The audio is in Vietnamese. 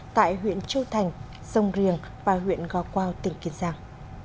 tại huyện châu thành sông riềng và huyện gò quao tỉnh kiên giang